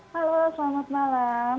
halo selamat malam